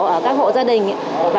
ở các hộ gia đình